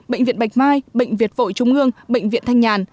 bệnh viện bạch mai bệnh viện vội trung ương bệnh viện thanh nhàn